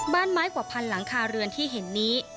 บ้านไม้กว่าพันหลังคาเรือนที่เห็นนี้